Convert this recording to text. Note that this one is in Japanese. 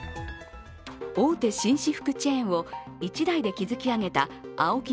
大手紳士服チェーンを１代で築き上げたＡＯＫＩ